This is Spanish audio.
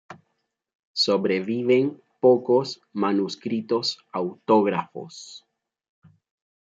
Sobreviven pocos manuscritos autógrafos.